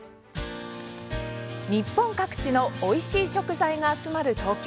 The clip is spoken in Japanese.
日本各地のおいしい食材が集まる東京。